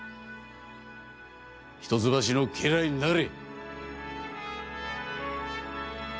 一橋の家来になれ。